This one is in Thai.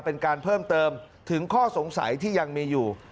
เป็นการเพิ่มเติมถึงข้อสงสัยที่ยังมีอยู่